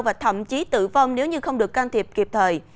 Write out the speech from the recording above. và thậm chí tử vong nếu như không được can thiệp kịp thời